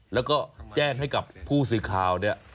แล้วก็แจ้งให้กับผู้สื่อข่าวเนี่ย